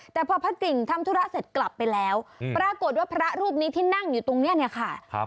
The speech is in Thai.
แต่พอพระกิ่งทำธุระเสร็จกลับไปแล้วปรากฏว่าพระรูปนี้ที่นั่งอยู่ตรงนี้เนี่ยค่ะ